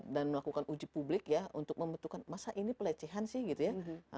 dan melakukan uji publik ya untuk membentukkan masa ini pelecehan sih gitu ya